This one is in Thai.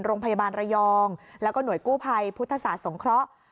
โรงพยาบาลระยองแล้วก็หน่วยกู้ภัยพุทธศาสตร์สงเคราะห์